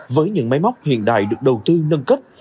với những máy móc hiện đại được đầu tư nâng cấp